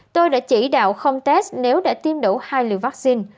tôi đã chỉ đạo không test nếu đã tiêm đủ hai liều vaccine